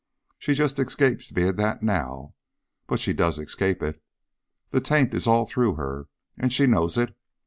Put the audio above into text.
She just escapes being that now, but she does escape it. The taint is all through her. And she knows it.